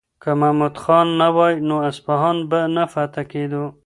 که محمود خان نه وای نو اصفهان به نه فتح کېدو.